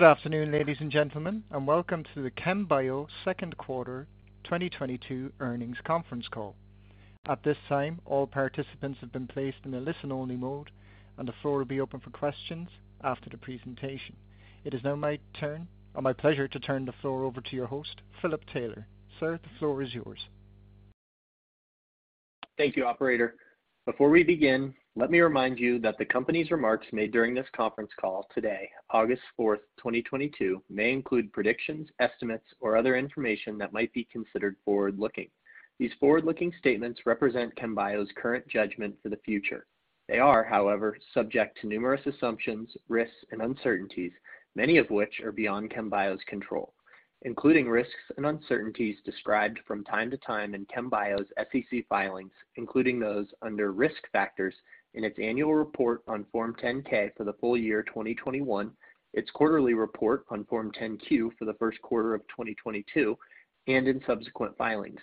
Good afternoon, ladies and gentlemen, and welcome to the Chembio second quarter 2022 earnings conference call. At this time, all participants have been placed in a listen-only mode, and the floor will be open for questions after the presentation. It is now my turn or my pleasure to turn the floor over to your host, Philip Taylor. Sir, the floor is yours. Thank you, operator. Before we begin, let me remind you that the company's remarks made during this conference call today, August 4, 2022, may include predictions, estimates, or other information that might be considered forward-looking. These forward-looking statements represent Chembio's current judgment for the future. They are, however, subject to numerous assumptions, risks, and uncertainties, many of which are beyond Chembio's control, including risks and uncertainties described from time to time in Chembio's SEC filings, including those under Risk Factors in its annual report on Form 10-K for the full year 2021, its quarterly report on Form 10-Q for the first quarter of 2022, and in subsequent filings.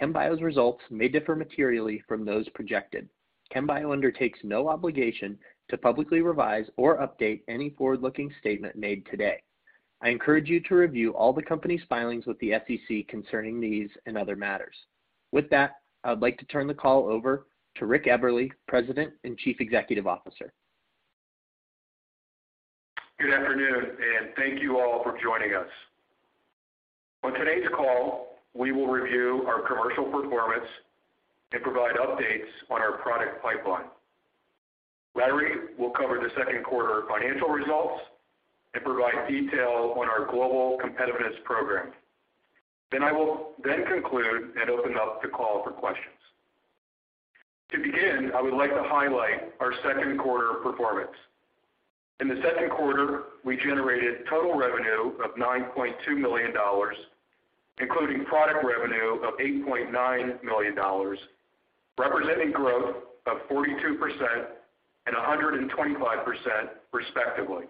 Chembio's results may differ materially from those projected. Chembio undertakes no obligation to publicly revise or update any forward-looking statement made today. I encourage you to review all the company's filings with the SEC concerning these and other matters. With that, I'd like to turn the call over to Rick Eberly, President and Chief Executive Officer. Good afternoon, and thank you all for joining us. On today's call, we will review our commercial performance and provide updates on our product pipeline. Larry will cover the second quarter financial results and provide detail on our Global Competitiveness Program. I will conclude and open up the call for questions. To begin, I would like to highlight our second quarter performance. In the second quarter, we generated total revenue of $9.2 million, including product revenue of $8.9 million, representing growth of 42% and 125% respectively,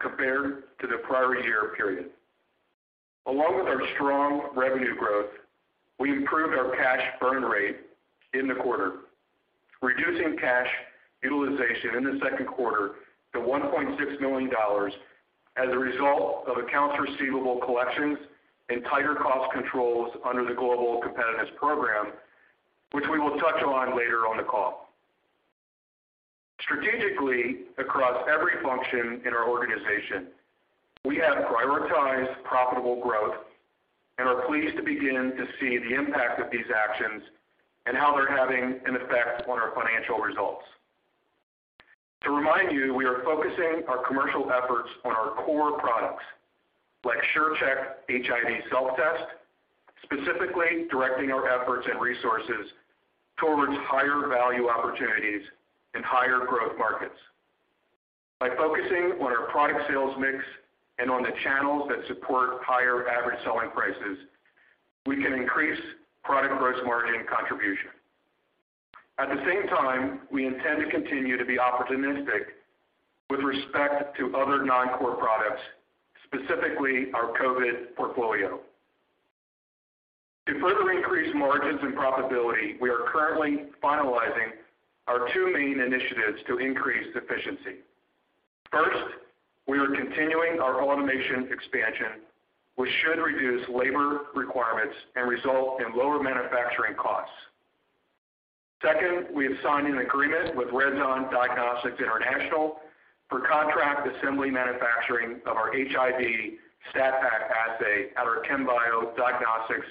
compared to the prior year period. Along with our strong revenue growth, we improved our cash burn rate in the quarter, reducing cash utilization in the second quarter to $1.6 million as a result of accounts receivable collections and tighter cost controls under the Global Competitiveness Program, which we will touch on later on the call. Strategically, across every function in our organization, we have prioritized profitable growth and are pleased to begin to see the impact of these actions and how they're having an effect on our financial results. To remind you, we are focusing our commercial efforts on our core products, like SURE CHECK HIV Self-Test, specifically directing our efforts and resources towards higher value opportunities and higher growth markets. By focusing on our product sales mix and on the channels that support higher average selling prices, we can increase product gross margin contribution. At the same time, we intend to continue to be opportunistic with respect to other non-core products, specifically our COVID portfolio. To further increase margins and profitability, we are currently finalizing our two main initiatives to increase efficiency. First, we are continuing our automation expansion, which should reduce labor requirements and result in lower manufacturing costs. Second, we have signed an agreement with Reszon Diagnostics International for contract assembly manufacturing of our HIV STAT-PAK assay at our Chembio Diagnostics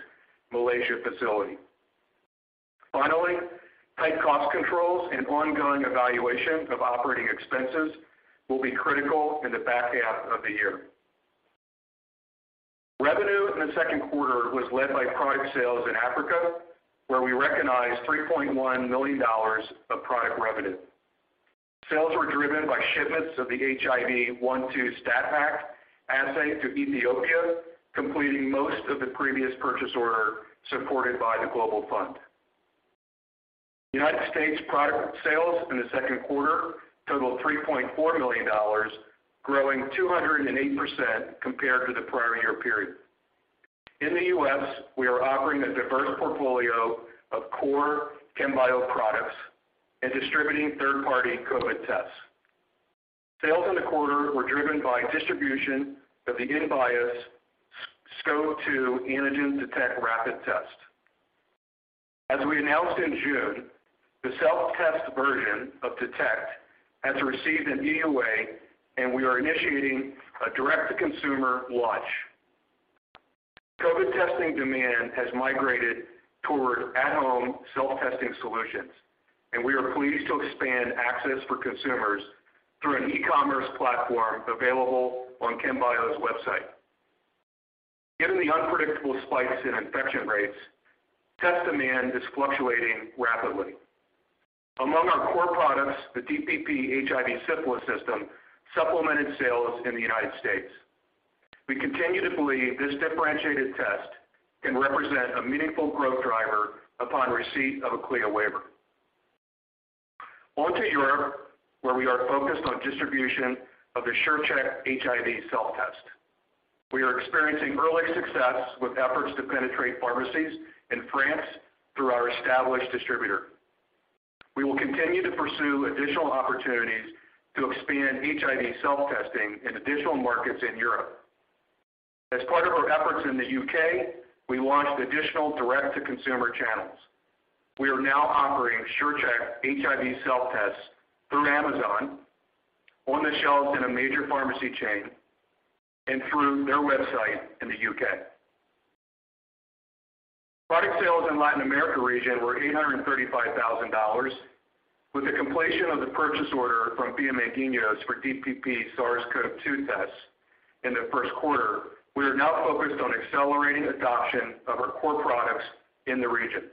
Malaysia facility. Finally, tight cost controls and ongoing evaluation of operating expenses will be critical in the back half of the year. Revenue in the second quarter was led by product sales in Africa, where we recognized $3.1 million of product revenue. Sales were driven by shipments of the HIV 1/2 STAT-PAK Assay to Ethiopia, completing most of the previous purchase order supported by The Global Fund. United States product sales in the second quarter totaled $3.4 million, growing 208% compared to the prior year period. In the US, we are offering a diverse portfolio of core Chembio products and distributing third-party COVID tests. Sales in the quarter were driven by distribution of the InBios SCoV-2 Ag Detect rapid test. As we announced in June, the self-test version of Detect has received an EUA, and we are initiating a direct-to-consumer launch. COVID testing demand has migrated toward at-home self-testing solutions, and we are pleased to expand access for consumers through an e-commerce platform available on Chembio's website. Given the unpredictable spikes in infection rates, test demand is fluctuating rapidly. Among our core products, the DPP HIV-Syphilis System supplemented sales in the United States. We continue to believe this differentiated test can represent a meaningful growth driver upon receipt of a CLIA waiver. On to Europe, where we are focused on distribution of the SURE CHECK HIV Self-Test. We are experiencing early success with efforts to penetrate pharmacies in France through our established distributor. We will continue to pursue additional opportunities to expand HIV self-testing in additional markets in Europe. As part of our efforts in the U.K., we launched additional direct-to-consumer channels. We are now offering SURE CHECK HIV Self-Tests through Amazon, on the shelves in a major pharmacy chain, and through their website in the U.K. Product sales in Latin America region were $835,000. With the completion of the purchase order from Bio-Manguinhos for DPP SARS-CoV-2 tests in the first quarter, we are now focused on accelerating adoption of our core products in the region.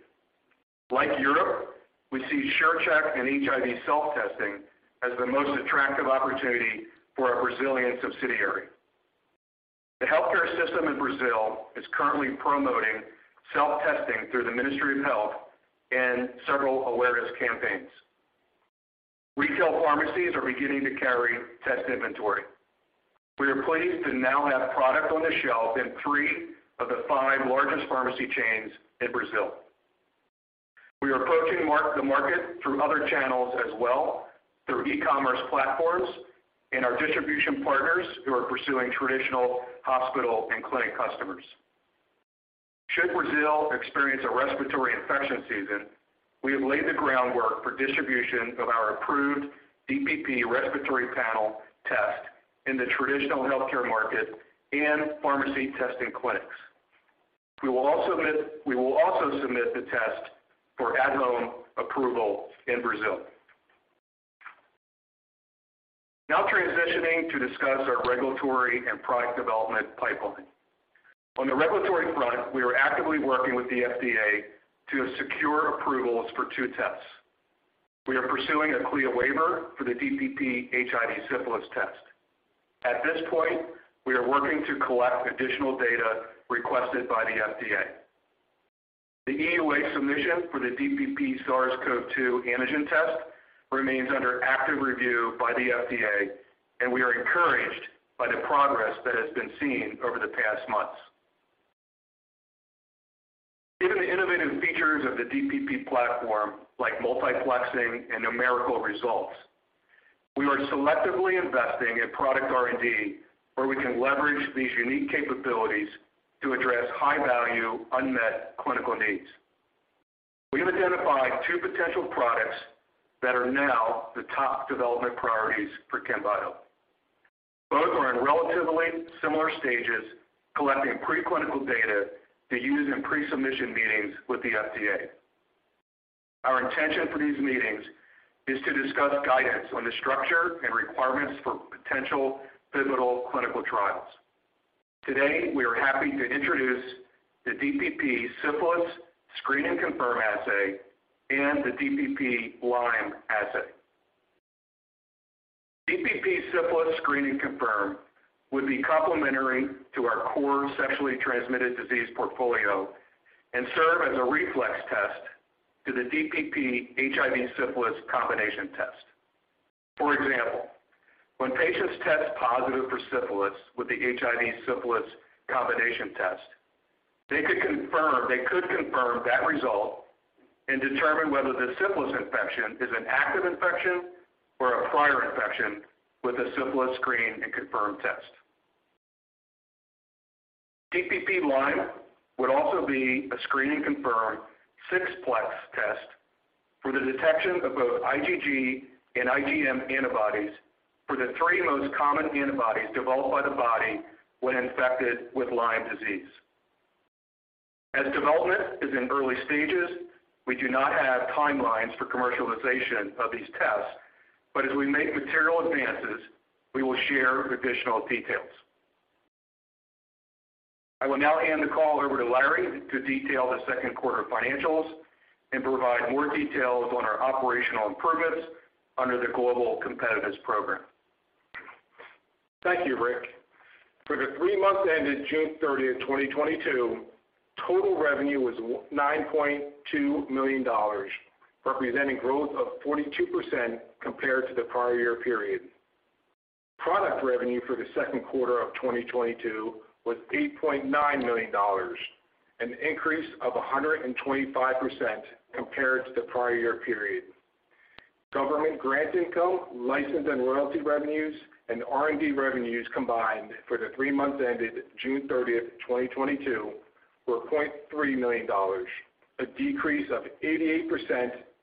Like Europe, we see SURE CHECK and HIV self-testing as the most attractive opportunity for our Brazilian subsidiary. The healthcare system in Brazil is currently promoting self-testing through the Ministry of Health and several awareness campaigns. Retail pharmacies are beginning to carry test inventory. We are pleased to now have product on the shelf in three of the five largest pharmacy chains in Brazil. We are approaching the market through other channels as well, through e-commerce platforms and our distribution partners who are pursuing traditional hospital and clinic customers. Should Brazil experience a respiratory infection season, we have laid the groundwork for distribution of our approved DPP Respiratory Panel test in the traditional healthcare market and pharmacy testing clinics. We will also submit the test for at-home approval in Brazil. Now transitioning to discuss our regulatory and product development pipeline. On the regulatory front, we are actively working with the FDA to secure approvals for two tests. We are pursuing a CLIA waiver for the DPP HIV-Syphilis test. At this point, we are working to collect additional data requested by the FDA. The EUA submission for the DPP SARS-CoV-2 antigen test remains under active review by the FDA, and we are encouraged by the progress that has been seen over the past months. Given the innovative features of the DPP platform, like multiplexing and numerical results, we are selectively investing in product R&D where we can leverage these unique capabilities to address high-value, unmet clinical needs. We have identified two potential products that are now the top development priorities for Chembio. Both are in relatively similar stages, collecting preclinical data to use in pre-submission meetings with the FDA. Our intention for these meetings is to discuss guidance on the structure and requirements for potential pivotal clinical trials. Today, we are happy to introduce the DPP Syphilis Screen and Confirm Assay and the DPP Lyme Assay. DPP Syphilis Screen and Confirm would be complementary to our core sexually transmitted disease portfolio and serve as a reflex test to the DPP HIV-Syphilis combination test. For example, when patients test positive for syphilis with the DPP HIV-Syphilis combination test, they could confirm that result and determine whether the syphilis infection is an active infection or a prior infection with a DPP Syphilis Screen & Confirm test. DPP Lyme would also be a screen and confirm six-plex test for the detection of both IgG and IgM antibodies for the three most common antibodies developed by the body when infected with Lyme disease. As development is in early stages, we do not have timelines for commercialization of these tests, but as we make material advances, we will share additional details. I will now hand the call over to Larry to detail the second quarter financials and provide more details on our operational improvements under the Global Competitiveness Program. Thank you, Rick. For the three months ended June 30, 2022, total revenue was $9.2 million, representing growth of 42% compared to the prior year period. Product revenue for the second quarter of 2022 was $8.9 million, an increase of 125% compared to the prior year period. Government grant income, license and royalty revenues, and R&D revenues combined for the three months ended June 30, 2022, were $0.3 million, a decrease of 88%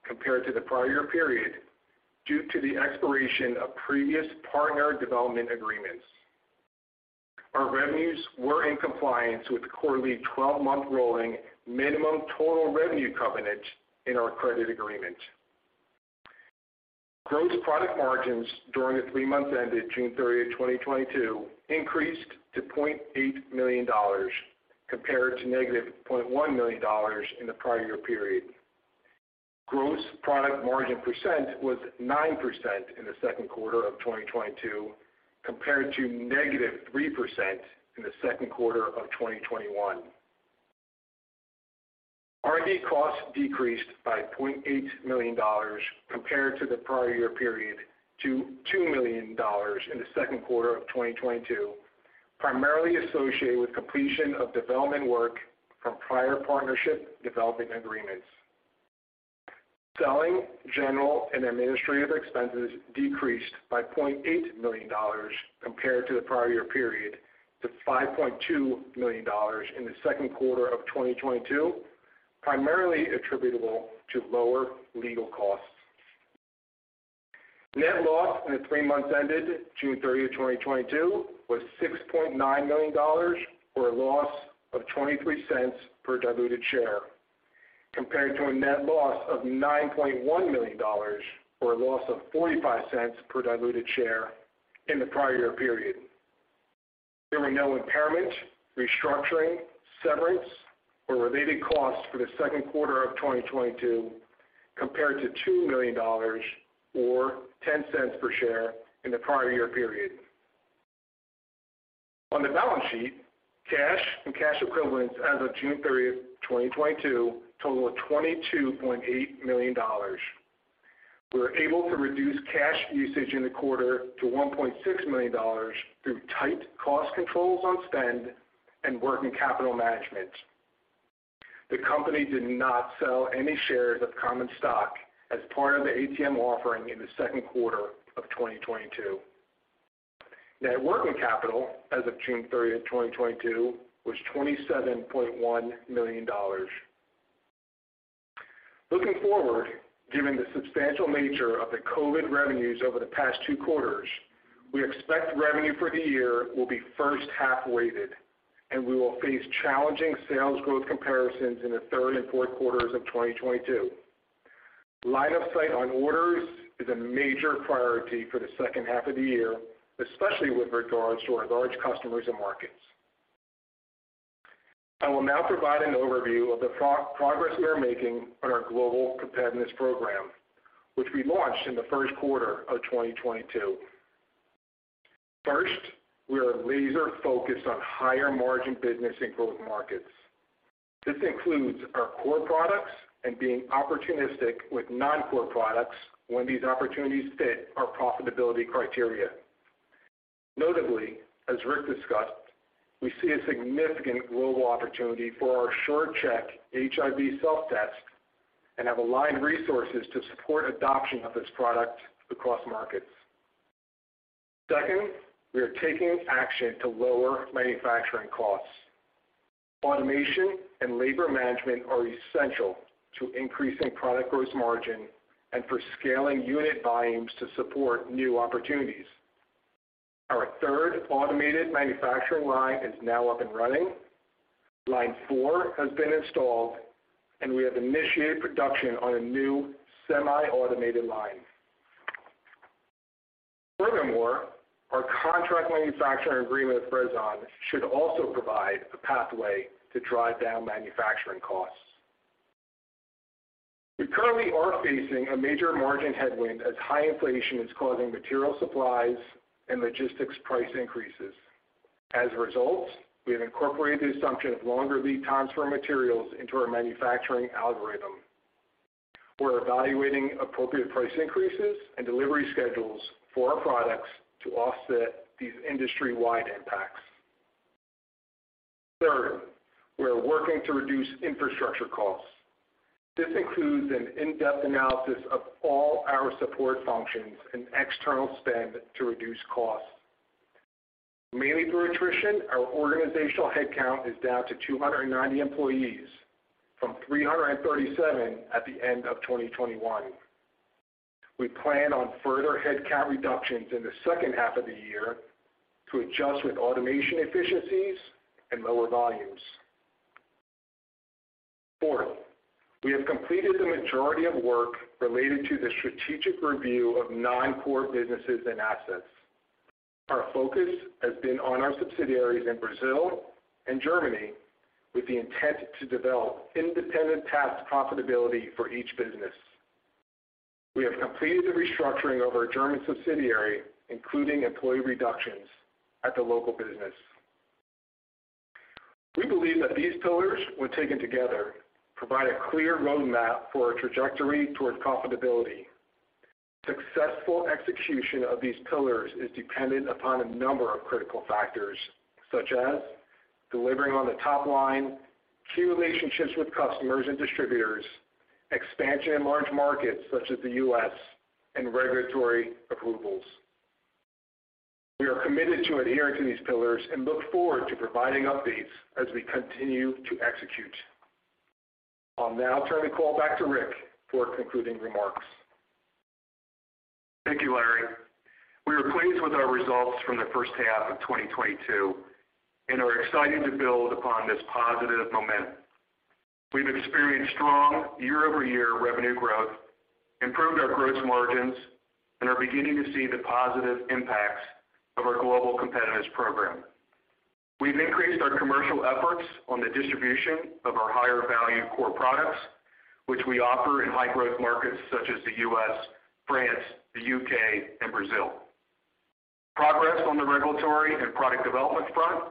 compared to the prior year period, due to the expiration of previous partner development agreements. Our revenues were in compliance with quarterly twelve-month rolling minimum total revenue covenant in our credit agreement. Gross product margins during the three months ended June 30, 2022, increased to $0.8 million compared to -$0.1 million in the prior year period. Gross product margin percent was 9% in the second quarter of 2022 compared to -3% in the second quarter of 2021. R&D costs decreased by $0.8 million compared to the prior year period to $2 million in the second quarter of 2022. Primarily associated with completion of development work from prior partnership developing agreements. Selling, general and administrative expenses decreased by $0.8 million compared to the prior year period to $5.2 million in the second quarter of 2022, primarily attributable to lower legal costs. Net loss in the three months ended June 30, 2022 was $6.9 million or a loss of $0.23 per diluted share, compared to a net loss of $9.1 million or a loss of $0.45 per diluted share in the prior year period. There were no impairment, restructuring, severance or related costs for the second quarter of 2022, compared to $2 million or $0.10 per share in the prior year period. On the balance sheet, cash and cash equivalents as of June 30, 2022 total of $22.8 million. We were able to reduce cash usage in the quarter to $1.6 million through tight cost controls on spend and working capital management. The company did not sell any shares of common stock as part of the ATM offering in the second quarter of 2022. Net working capital as of June 30, 2022 was $27.1 million. Looking forward, given the substantial nature of the COVID revenues over the past two quarters, we expect revenue for the year will be first half weighted, and we will face challenging sales growth comparisons in the third and fourth quarters of 2022. Line of sight on orders is a major priority for the second half of the year, especially with regards to our large customers and markets. I will now provide an overview of the progress we are making on our Global Competitiveness Program, which we launched in the first quarter of 2022. First, we are laser focused on higher margin business in growth markets. This includes our core products and being opportunistic with non-core products when these opportunities fit our profitability criteria. Notably, as Rick discussed, we see a significant global opportunity for our SURE CHECK HIV Self-Test and have aligned resources to support adoption of this product across markets. Second, we are taking action to lower manufacturing costs. Automation and labor management are essential to increasing product gross margin and for scaling unit volumes to support new opportunities. Our third automated manufacturing line is now up and running. Line four has been installed and we have initiated production on a new semi-automated line. Furthermore, our contract manufacturing agreement with Reszon should also provide a pathway to drive down manufacturing costs. We currently are facing a major margin headwind as high inflation is causing material supplies and logistics price increases. As a result, we have incorporated the assumption of longer lead times for materials into our manufacturing algorithm. We're evaluating appropriate price increases and delivery schedules for our products to offset these industry-wide impacts. Third, we are working to reduce infrastructure costs. This includes an in-depth analysis of all our support functions and external spend to reduce costs. Mainly through attrition, our organizational headcount is down to 290 employees from 337 at the end of 2021. We plan on further headcount reductions in the second half of the year to adjust with automation efficiencies and lower volumes. Fourth, we have completed the majority of work related to the strategic review of non-core businesses and assets. Our focus has been on our subsidiaries in Brazil and Germany with the intent to develop independent path profitability for each business. We have completed the restructuring of our German subsidiary, including employee reductions at the local business. We believe that these pillars, when taken together, provide a clear roadmap for a trajectory towards profitability. Successful execution of these pillars is dependent upon a number of critical factors, such as delivering on the top line, key relationships with customers and distributors, expansion in large markets such as the U.S., and regulatory approvals. We are committed to adhering to these pillars and look forward to providing updates as we continue to execute. I'll now turn the call back to Rick for concluding remarks. Thank you, Larry. We are pleased with our results from the first half of 2022 and are excited to build upon this positive momentum. We've experienced strong year-over-year revenue growth, improved our gross margins, and are beginning to see the positive impacts of our Global Competitiveness Program. We've increased our commercial efforts on the distribution of our higher value core products, which we offer in high-growth markets such as the U.S., France, the U.K. and Brazil. Progress on the regulatory and product development front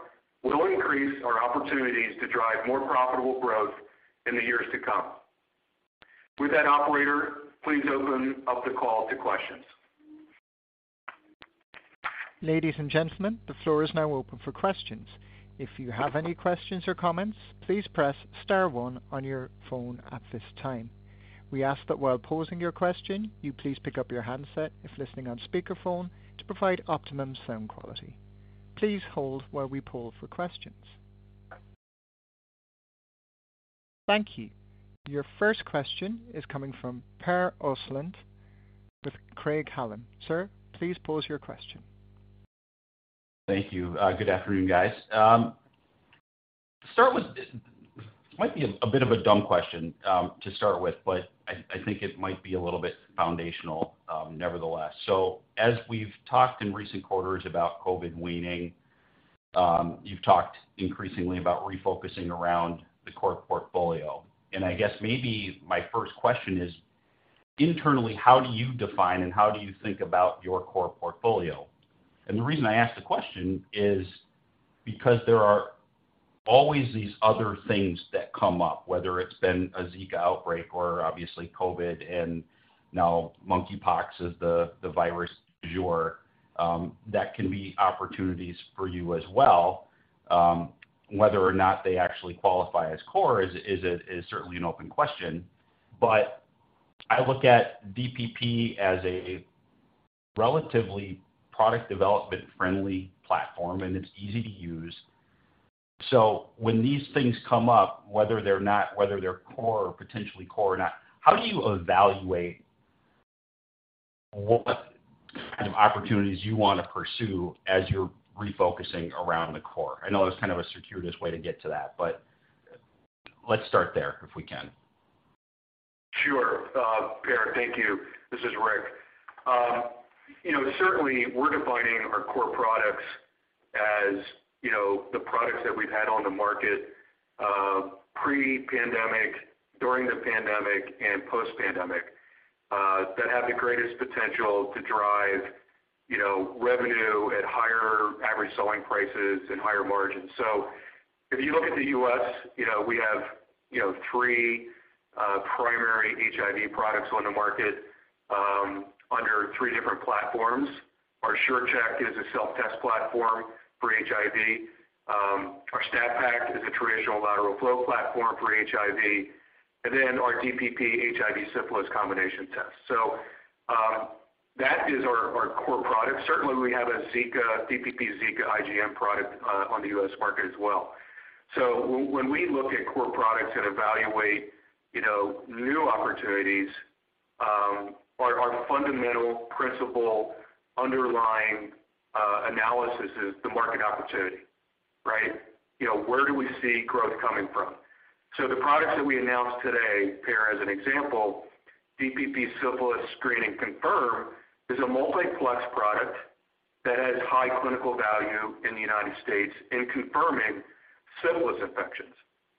will increase our opportunities to drive more profitable growth in the years to come. With that operator, please open up the call to questions. Ladies and gentlemen, the floor is now open for questions. If you have any questions or comments, please press star one on your phone at this time. We ask that while posing your question, you please pick up your handset if listening on speakerphone to provide optimum sound quality. Please hold while we poll for questions. Thank you. Your first question is coming from Per Ostlund with Craig-Hallum. Sir, please pose your question. Thank you. Good afternoon, guys. It might be a bit of a dumb question to start with, but I think it might be a little bit foundational, nevertheless. As we've talked in recent quarters about COVID waning, you've talked increasingly about refocusing around the core portfolio. I guess maybe my first question is, internally, how do you define and how do you think about your core portfolio? The reason I ask the question is because there are always these other things that come up, whether it's been a Zika outbreak or obviously COVID and now monkeypox is the virus du jour that can be opportunities for you as well. Whether or not they actually qualify as core is certainly an open question. I look at DPP as a relatively product development-friendly platform, and it's easy to use. When these things come up, whether they're core or potentially core or not, how do you evaluate what kind of opportunities you wanna pursue as you're refocusing around the core? I know that's kind of a circuitous way to get to that, but let's start there if we can. Sure. Per, thank you. This is Rick. You know, certainly we're defining our core products as, you know, the products that we've had on the market, pre-pandemic, during the pandemic and post-pandemic, that have the greatest potential to drive, you know, revenue at higher average selling prices and higher margins. If you look at the U.S., you know, we have, you know, three primary HIV products on the market, under three different platforms. Our SURE CHECK is a self-test platform for HIV. Our STAT-PAK is a traditional lateral flow platform for HIV. And then our DPP HIV-Syphilis combination test. That is our core product. Certainly, we have a DPP Zika IgM product on the U.S. market as well. When we look at core products and evaluate, you know, new opportunities, our fundamental principle underlying analysis is the market opportunity, right? You know, where do we see growth coming from? The products that we announced today, Per, as an example, DPP Syphilis Screen & Confirm, is a multiplex product that has high clinical value in the United States in confirming syphilis infections.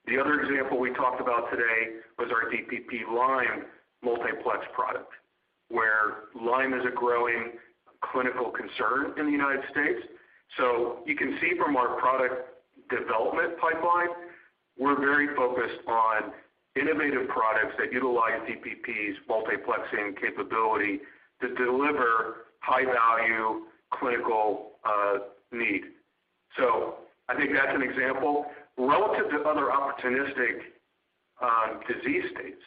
The other example we talked about today was our DPP Lyme Multiplex product, where Lyme is a growing clinical concern in the United States. You can see from our product development pipeline, we're very focused on innovative products that utilize DPP's multiplexing capability to deliver high-value clinical need. I think that's an example. Relative to other opportunistic disease states,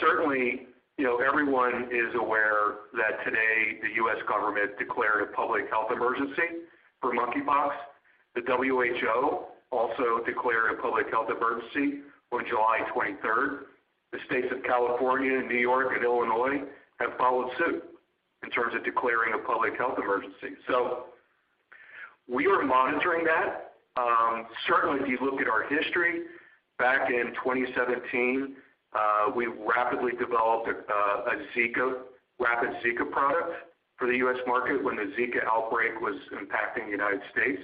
certainly, you know, everyone is aware that today the U.S. government declared a public health emergency for monkeypox. The WHO also declared a public health emergency on July 23. The states of California and New York and Illinois have followed suit in terms of declaring a public health emergency. We are monitoring that. Certainly, if you look at our history, back in 2017, we rapidly developed a rapid Zika product for the U.S. market when the Zika outbreak was impacting the United States.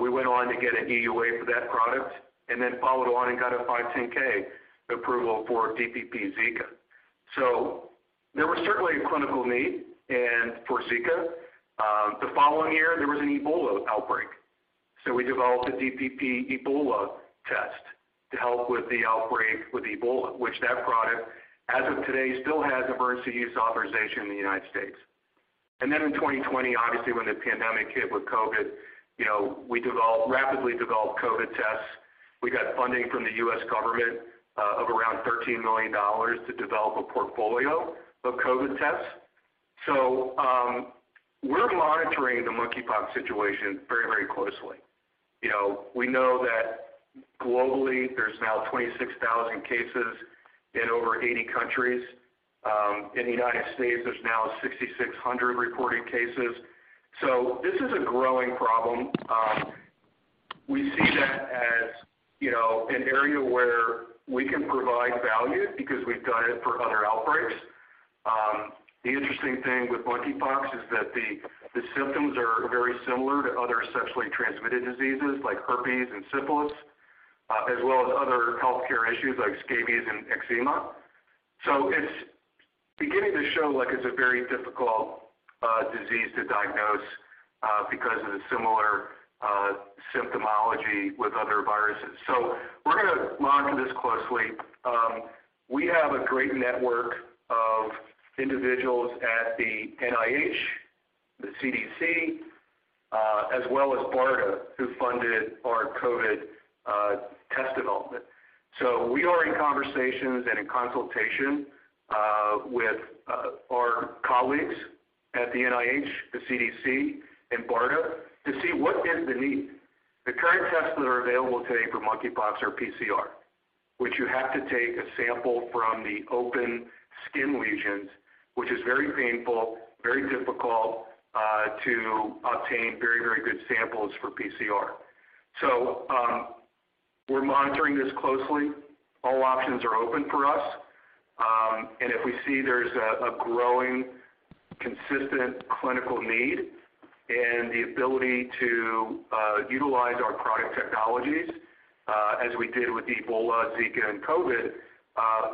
We went on to get an EUA for that product and then followed on and got a 510(k) approval for DPP Zika. There was certainly a clinical need for Zika. The following year, there was an Ebola outbreak, so we developed a DPP Ebola test to help with the outbreak with Ebola, which product, as of today, still has emergency use authorization in the United States. In 2020, obviously, when the pandemic hit with COVID, you know, we rapidly developed COVID tests. We got funding from the U.S. government of around $13 million to develop a portfolio of COVID tests. We're monitoring the monkeypox situation very, very closely. You know, we know that globally there's now 26,000 cases in over 80 countries. In the United States, there's now 6,600 reported cases. This is a growing problem. We see that as, you know, an area where we can provide value because we've done it for other outbreaks. The interesting thing with monkeypox is that the symptoms are very similar to other sexually transmitted diseases like herpes and syphilis, as well as other healthcare issues like scabies and eczema. It's like it's a very difficult disease to diagnose because of the similar symptomatology with other viruses. We're gonna monitor this closely. We have a great network of individuals at the NIH, the CDC, as well as BARDA, who funded our COVID test development. We are in conversations and in consultation with our colleagues at the NIH, the CDC, and BARDA to see what is the need. The current tests that are available today for monkeypox are PCR, which you have to take a sample from the open skin lesions, which is very painful, very difficult to obtain very, very good samples for PCR. We're monitoring this closely. All options are open for us. If we see there's a growing, consistent clinical need and the ability to utilize our product technologies, as we did with Ebola, Zika, and COVID,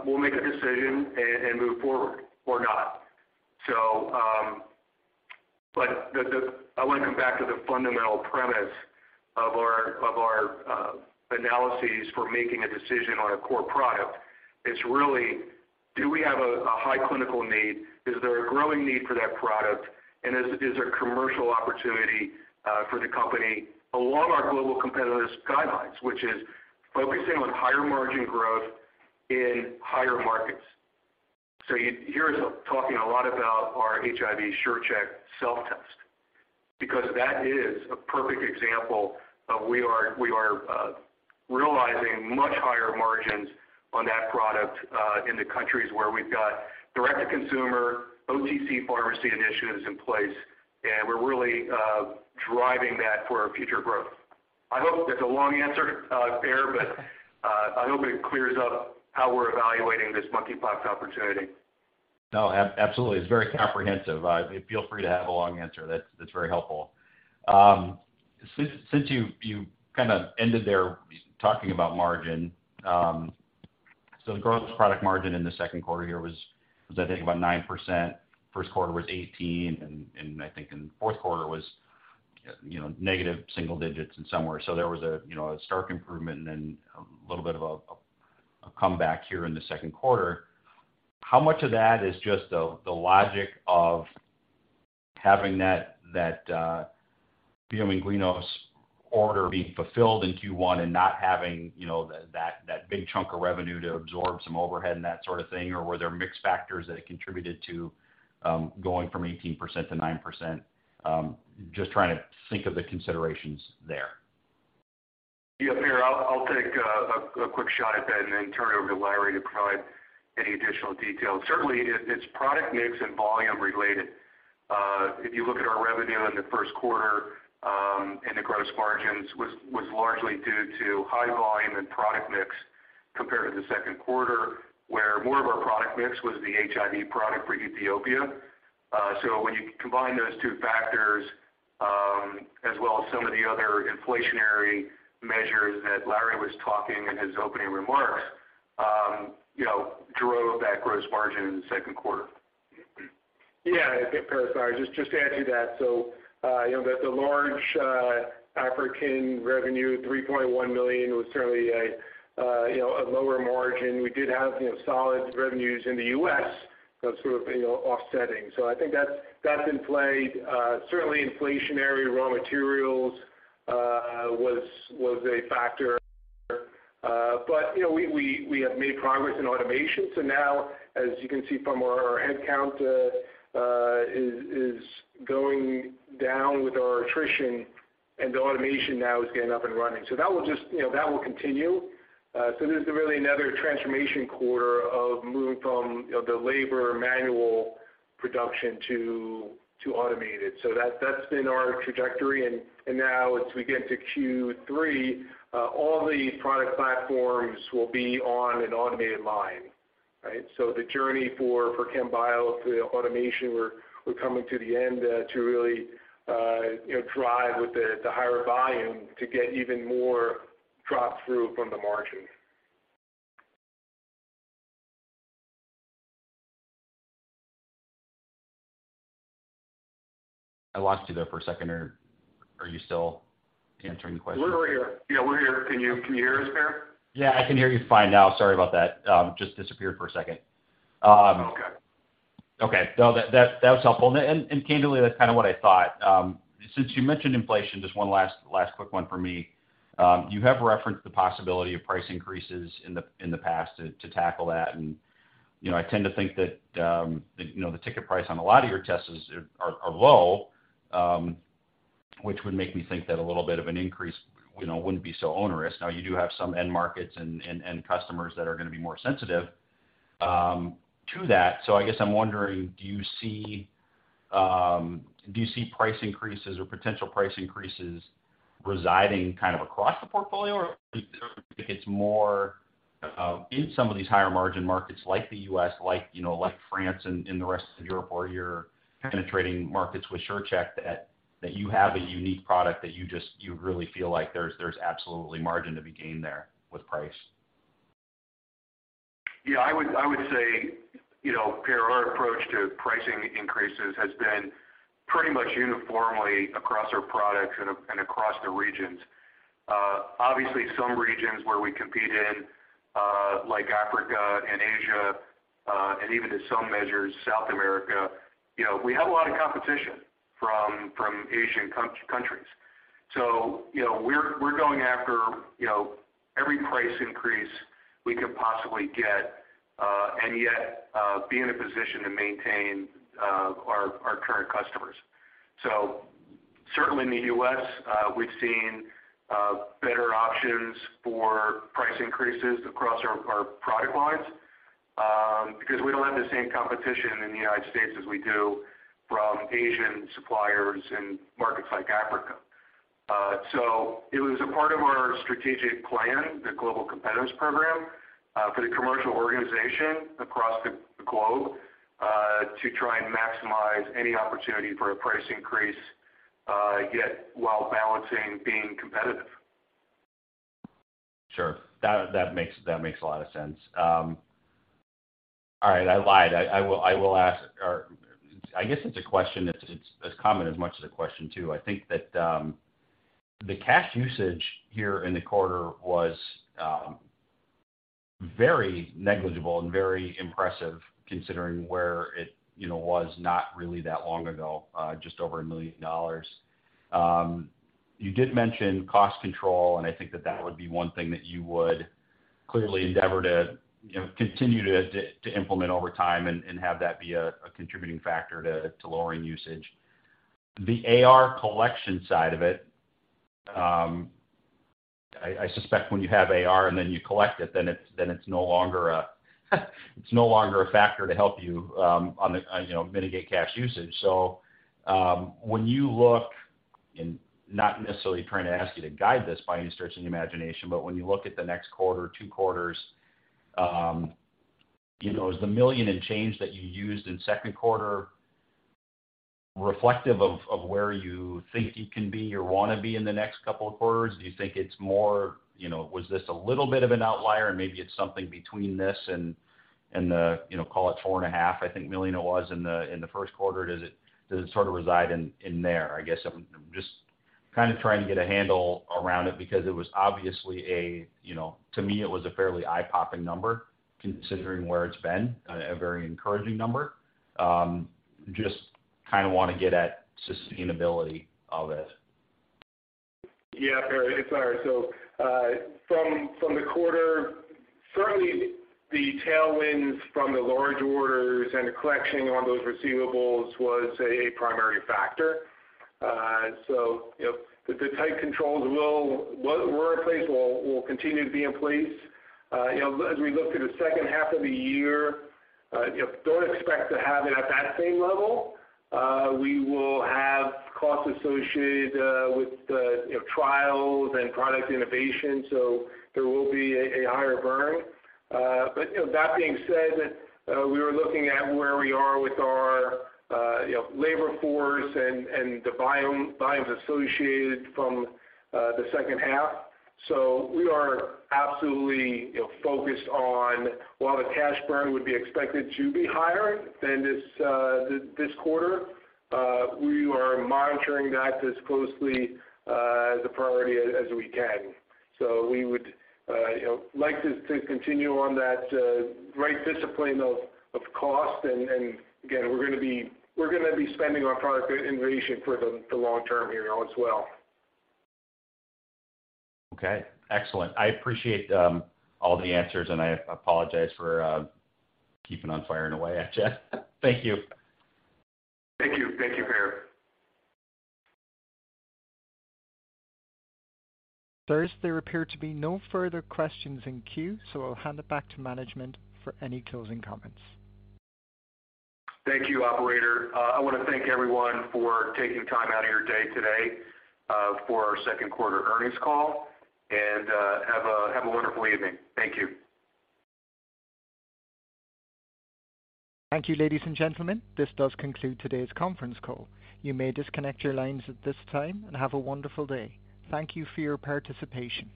we'll make a decision and move forward or not. I want to come back to the fundamental premise of our analyses for making a decision on a core product. It's really, do we have a high clinical need? Is there a growing need for that product? And is there commercial opportunity for the company along our global competitiveness guidelines, which is focusing on higher margin growth in higher markets. You hear us talking a lot about our HIV SURE CHECK self-test because that is a perfect example of we are realizing much higher margins on that product in the countries where we've got direct-to-consumer OTC pharmacy initiatives in place, and we're really driving that for our future growth. I hope that's a long answer, Per, but I hope it clears up how we're evaluating this monkeypox opportunity. No. Absolutely. It's very comprehensive. Feel free to have a long answer. That's very helpful. Since you kind of ended there talking about margin, so the gross product margin in the second quarter here was, I think, about 9%, first quarter was 18%, and I think in fourth quarter was, you know, negative single digits somewhere. There was a stark improvement and then a little bit of a comeback here in the second quarter. How much of that is just the logic of having that Bio-Manguinhos order being fulfilled in Q1 and not having that big chunk of revenue to absorb some overhead and that sort of thing? Or were there mix factors that contributed to going from 18% to 9%? Just trying to think of the considerations there. Yeah. Per, I'll take a quick shot at that and then turn it over to Larry to provide any additional details. Certainly it's product mix and volume related. If you look at our revenue in the first quarter and the gross margins was largely due to high volume and product mix compared to the second quarter, where more of our product mix was the HIV product for Ethiopia. When you combine those two factors, as well as some of the other inflationary measures that Larry was talking in his opening remarks, you know, drove that gross margin in the second quarter. Yeah. Per, sorry, just to add to that. You know, the large African revenue, $3.1 million, was certainly a you know, a lower margin. We did have, you know, solid revenues in the U.S. that sort of, you know, offsetting. I think that's in play. Certainly inflationary raw materials was a factor. You know, we have made progress in automation. Now as you can see from our headcount, is going down with our attrition and the automation now is getting up and running. That will just, you know, that will continue. This is really another transformation quarter of moving from, you know, the labor manual production to automated. That's been our trajectory. Now as we get into Q3, all the product platforms will be on an automated line, right? The journey for Chembio to automation, we're coming to the end to really you know drive with the higher volume to get even more drop through from the margins. I lost you there for a second, or are you still answering the question? We're here. Yeah, we're here. Can you hear us, Per? Yeah, I can hear you fine now. Sorry about that. Just disappeared for a second. Okay. Okay. No, that was helpful. Candidly, that's kind of what I thought. Since you mentioned inflation, just one last quick one for me. You have referenced the possibility of price increases in the past to tackle that. You know, I tend to think that you know, the ticket price on a lot of your tests is low, which would make me think that a little bit of an increase you know, wouldn't be so onerous. Now you do have some end markets and end customers that are gonna be more sensitive to that. I guess I'm wondering, do you see price increases or potential price increases residing kind of across the portfolio? Do you think it's more in some of these higher margin markets like the U.S., like, you know, like France and the rest of Europe where you're penetrating markets with SURE CHECK that you have a unique product that you really feel like there's absolutely margin to be gained there with price? I would say, you know, Per, our approach to pricing increases has been pretty much uniformly across our products and across the regions. Obviously, some regions where we compete in, like Africa and Asia, and even to some measures, South America, you know, we have a lot of competition from Asian countries. You know, we're going after, you know, every price increase we could possibly get, and yet be in a position to maintain our current customers. Certainly in the U.S., we've seen better options for price increases across our product lines, because we don't have the same competition in the United States as we do from Asian suppliers in markets like Africa. It was a part of our strategic plan, the Global Competitiveness Program, for the commercial organization across the globe to try and maximize any opportunity for a price increase, yet while balancing being competitive. Sure. That makes a lot of sense. All right, I lied. I will ask or I guess it's as much a comment as a question, too. I think that the cash usage here in the quarter was very negligible and very impressive considering where it, you know, was not really that long ago, just over $1 million. You did mention cost control, and I think that that would be one thing that you would clearly endeavor to, you know, continue to implement over time and have that be a contributing factor to lowering usage. The AR collection side of it, I suspect when you have AR and then you collect it, then it's no longer a factor to help you on, you know, mitigate cash usage. When you look and not necessarily trying to ask you to guide this by any stretch of the imagination, but when you look at the next quarter, two quarters, you know, is the $1 million and change that you used in second quarter reflective of where you think you can be or wanna be in the next couple of quarters? Do you think it's more, you know, was this a little bit of an outlier and maybe it's something between this and the, you know, call it $4.5 million it was in the first quarter. Does it sort of reside in there? I guess I'm just kind of trying to get a handle around it because it was obviously, you know, to me it was a fairly eye-popping number, considering where it's been, a very encouraging number. Just kinda wanna get at sustainability of it. Yeah. It's all right. From the quarter, certainly the tailwinds from the large orders and the collection on those receivables was a primary factor. You know, the tight controls were in place, will continue to be in place. You know, as we look to the second half of the year, you know, don't expect to have it at that same level. We will have costs associated with the, you know, trials and product innovation. There will be a higher burn. You know, that being said, we are looking at where we are with our, you know, labor force and the volumes associated from the second half. We are absolutely, you know, focused on while the cash burn would be expected to be higher than this quarter, we are monitoring that as closely as a priority as we can. We would, you know, like to continue on that right discipline of cost. Again, we're gonna be spending on product innovation for the long term here now as well. Okay. Excellent. I appreciate all the answers, and I apologize for keeping on firing away at you. Thank you. Thank you. Thank you, Per. Sirs, there appear to be no further questions in queue, so I'll hand it back to management for any closing comments. Thank you, operator. I wanna thank everyone for taking time out of your day today for our second quarter earnings call, and have a wonderful evening. Thank you. Thank you, ladies and gentlemen. This does conclude today's conference call. You may disconnect your lines at this time and have a wonderful day. Thank you for your participation.